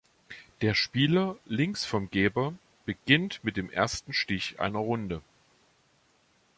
Der Spieler links vom Geber beginnt mit dem ersten Stich einer Runde.